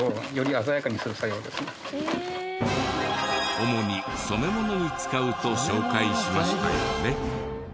主に染め物に使うと紹介しましたよね。